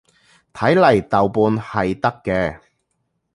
睇嚟豆瓣係得嘅